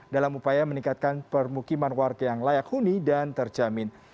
dalam upaya meningkatkan permukiman warga yang layak huni dan terjamin